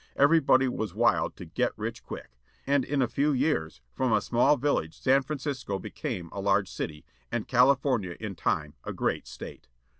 Everybody was wild to "get rich quick." And in a few years from a small village San Francisco became a large city, and California, in time, a great State.